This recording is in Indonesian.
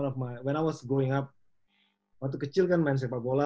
saat saya masih kecil waktu kecil kan main sepak bola